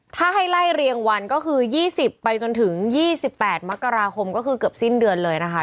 ถ้าให้ไล่เรียงวันก็คือ๒๐ไปจนถึง๒๘มกราคมก็คือเกือบสิ้นเดือนเลยนะคะ